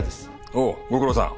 おおご苦労さん。